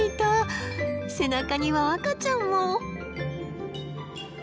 背中には赤ちゃんも！